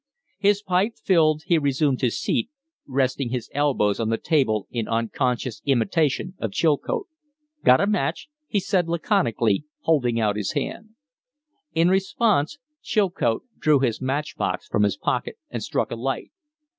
His pipe filled, he resumed his seat, resting his elbows on the table in unconscious imitation of Chilcote. "Got a match?" he said, laconically, holding out his band. In response Chilcote drew his match box from his pocket and struck a light.